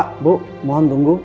pak bu mohon tunggu